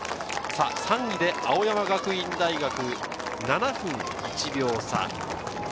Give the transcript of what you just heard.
３位で青山学院大学、７分１秒差。